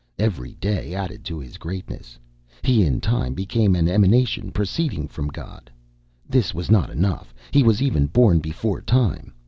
Every day added to his greatness. He in time became an emanation, proceeding from God. This was not enough; he was even born before time.